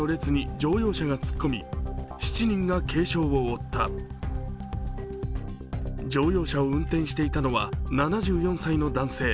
乗用車を運転していたのは７４歳の男性。